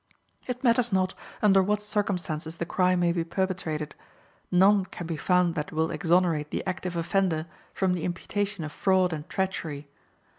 It matters not under what circumstances the crime may be perpetrated, none can be found that will exonerate the active offender from the imputation of fraud and treachery.